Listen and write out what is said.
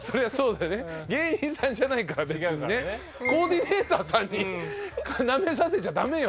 コーディネーターさんになめさせちゃダメよ。